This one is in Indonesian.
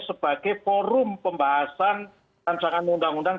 sebagai forum pembahasan rancangan undang undang